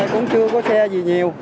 cũng chưa có xe gì nhiều